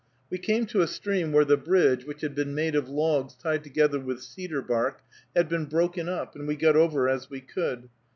We came to a stream where the bridge, which had been made of logs tied together with cedar bark, had been broken up, and we got over as we could.